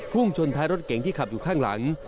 ชนท้ายรถเก๋งที่ขับอยู่ข้างหลัง